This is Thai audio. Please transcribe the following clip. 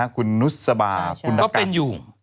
คุณนุสสบาคุณนักการณ์ก็เป็นอยู่